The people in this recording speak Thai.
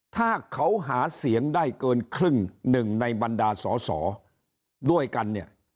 ถ้าเขาหาเสียงได้เกินครึ่งหนึ่งในบรรดาสอสอด้วยกันเนี่ย